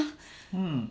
うん。